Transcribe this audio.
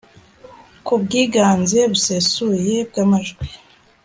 ku bwiganze busesuye bw amajwi